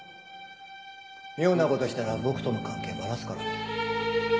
妙な事をしたら僕との関係ばらすからね。